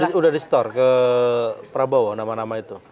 sudah di store ke prabowo nama nama itu